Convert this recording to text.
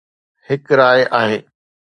هڪ راء آهي